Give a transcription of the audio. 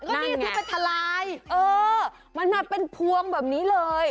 นั่งไงมันมาเป็นพวงแบบนี้เลย